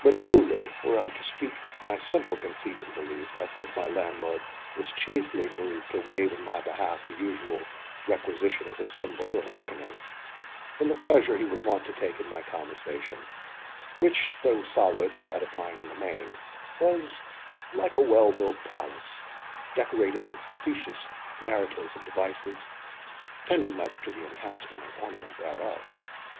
But, truly, were I to speak my simple conceit and belief, I think my Landlord was chiefly moved to waive in my behalf the usual requisition of a symbol, or reckoning, from the pleasure he was wont to take in my conversation, which, though solid and edifying in the main, was, like a well built palace, decorated with facetious narratives and devices, tending much to the enhancement and ornament thereof.